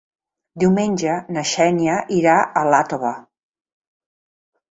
Diumenge na Xènia irà a Iàtova.